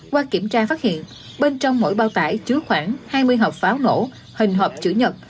qua kiểm tra phát hiện bên trong mỗi bao tải chứa khoảng hai mươi hộp pháo nổ hình hộp chữ nhật